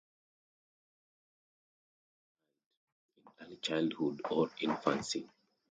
Five of their children died in early childhood or infancy.